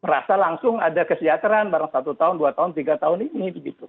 berasa langsung ada kesejahteran bareng satu daun dua daun tiga daun ini dan begitu